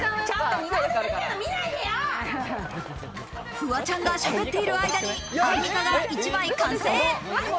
フワちゃんがしゃべっている間にアンミカが１枚完成。